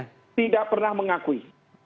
kita tidak pernah mengakui